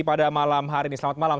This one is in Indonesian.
pada malam hari ini selamat malam